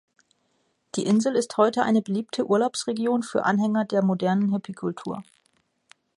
Die Insel ist heute eine beliebte Urlaubsregion für Anhänger der modernen Hippiekultur.